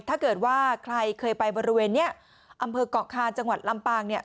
ถ้าเกิดว่าใครเคยไปบริเวณนี้อำเภอกเกาะคาจังหวัดลำปางเนี่ย